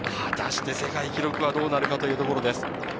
世界記録はどうなるかというところです。